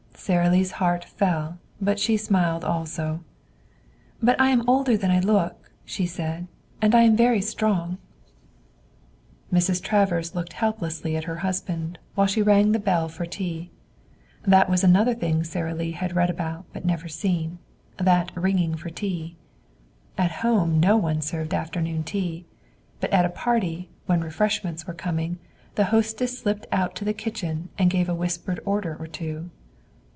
Sara Lee's heart fell, but she smiled also. "But I am older than I look," she said. "And I am very strong." Mrs. Travers looked helplessly at her husband, while she rang the bell for tea. That was another thing Sara Lee had read about but never seen that ringing for tea. At home no one served afternoon tea; but at a party, when refreshments were coming, the hostess slipped out to the kitchen and gave a whispered order or two.